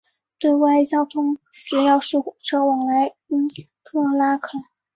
对外交通主要是火车往来因特拉肯。